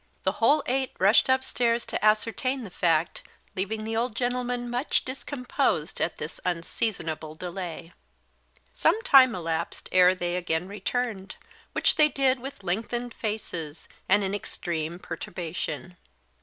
The whole eight rushed upstairs to ascertain the fact, leaving the old gentleman much discomposed at this unseasonable delay. Some time elapsed ere they again returned, which they did with lengthened faces, and in extreme perturbation.